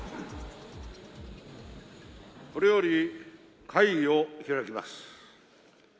これより会議を開きます。